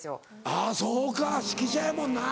あそうか指揮者やもんな。